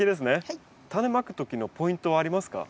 タネまく時のポイントはありますか？